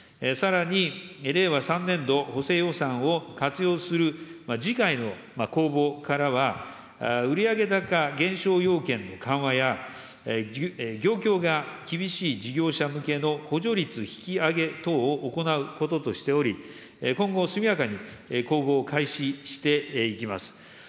さらに、令和３年度補正予算を活用する次回の公募からは、売上高減少要件の緩和や、業況が厳しい事業者向けの補助率引き上げ等を行うこととしており、今後、速やかに公募を開始していきます。